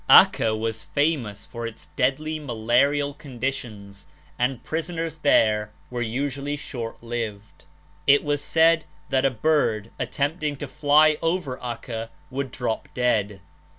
Acca was famous for its deadly malarial conditions and prisoners there were usually short lived. It was said that a bird at tempting to fly over Acca would drop dead.